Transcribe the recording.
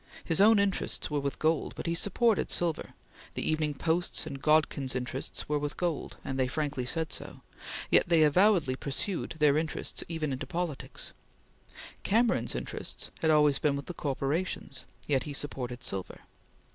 His own interests were with gold, but he supported silver; the Evening Post's and Godkin's interests were with gold, and they frankly said so, yet they avowedly pursued their interests even into politics; Cameron's interests had always been with the corporations, yet he supported silver.